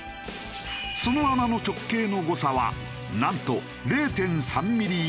その穴の直径の誤差はなんと０．３ミリ以内。